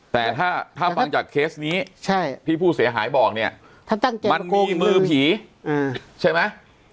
แต่ถ้าฟังจากเคสนี้ที่ผู้เสียหายบอกเนี่ยมันมีมือผีใช่ไหม